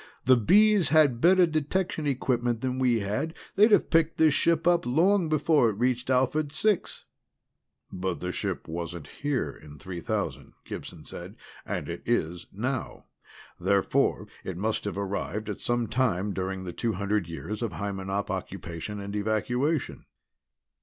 "The Bees had better detection equipment than we had. They'd have picked this ship up long before it reached Alphard Six." "But the ship wasn't here in 3000," Gibson said, "and it is now. Therefore it must have arrived at some time during the two hundred years of Hymenop occupation and evacuation."